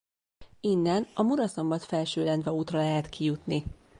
Innen a Muraszombat-Felsőlendva útra lehet kijutni.